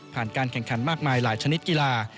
การแข่งขันมากมายหลายชนิดกีฬา